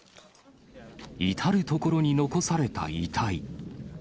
至る所に残された遺体。